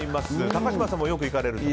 高嶋さんもよく行かれると。